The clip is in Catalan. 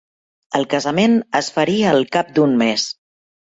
El casament es faria al cap d'un mes.